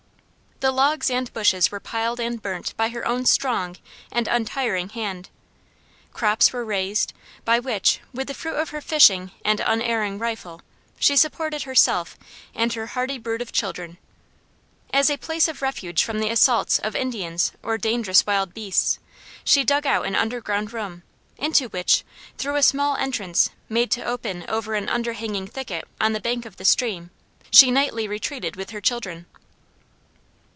The logs and bushes were piled and burnt by her own strong and untiring hand; crops were raised, by which, with the fruits of her fishing and unerring rifle, she supported herself and her hardy brood of children. As a place of refuge from the assaults of Indians or dangerous wild beasts, she dug out an underground room, into which, through a small entrance made to open under an overhanging thicket on the bank of the stream, she nightly retreated with her children.